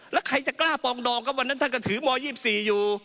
แล้วใครจะกล้าปองดองครับวันนั้นท่านก็ถือม๒๔อยู่